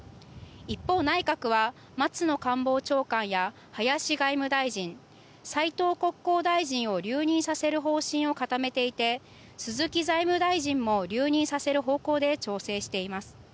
一方、内閣は松野官房長官や林外務大臣斉藤国交大臣を留任させる方針を固めていて鈴木財務大臣も留任させる方向で調整しています。